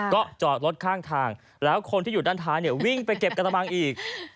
ก็จอดรถข้างทางแล้วคนที่อยู่ด้านท้ายเนี่ยวิ่งไปเก็บกระมังอีก